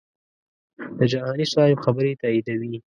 د جهاني صاحب خبرې تاییدوي.